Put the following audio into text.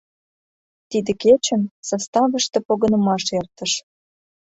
Тиде кечын заставыште погынымаш эртыш.